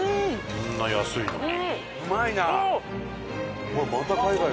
こんな安いのに。